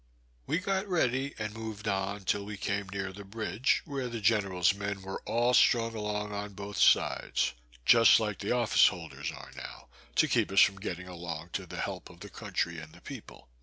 We got ready and moved on till we came near the bridge, where the general's men were all strung along on both sides, just like the office holders are now, to keep us from getting along to the help of the country and the people.